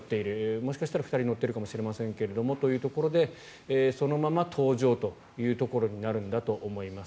もしかしたら２人乗っているかもしれませんがというところでそのまま搭乗ということになるんだと思います。